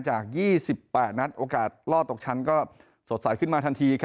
จาก๒๘นัดโอกาสรอดตกชั้นก็สดใสขึ้นมาทันที